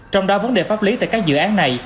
trong đó vấn đề pháp lý tại các dự án này